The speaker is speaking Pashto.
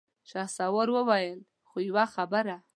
شهسوار وويل: خو يوه خبره!